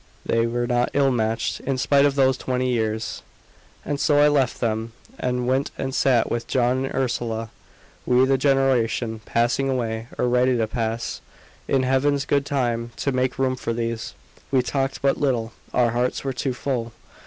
They were not ill matched, in spite of those twenty years. And so I left them, and went and sat with John and Ursula we, the generation passing away, or ready to pass, in Heaven's good time, to make room for these. We talked but little, our hearts were too full.